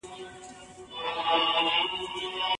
تشول چي مي خُمونه هغه نه یم